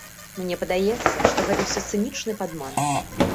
Мне падаецца, што гэта ўсё цынічны падман.